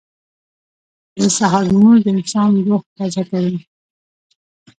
• د سهار لمونځ د انسان روح تازه کوي.